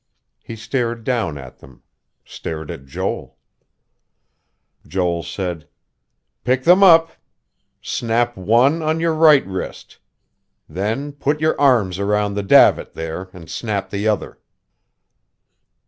He stared down at them, stared at Joel. Joel said: "Pick them up. Snap one on your right wrist. Then put your arms around the davit, there, and snap the other...."